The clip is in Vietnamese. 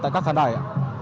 tại các khán đài